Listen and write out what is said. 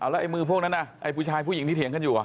แล้วไอ้มือพวกนั้นไอ้ผู้ชายผู้หญิงที่เถียงกันอยู่